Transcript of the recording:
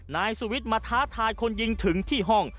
นายสุวิทย์มาท้าทายคนยิงถึงที่ห้อง